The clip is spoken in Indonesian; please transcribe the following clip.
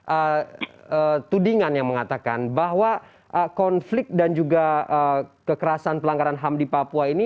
ada tudingan yang mengatakan bahwa konflik dan juga kekerasan pelanggaran ham di papua ini